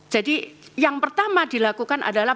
jadi yang pertama dilakukan adalah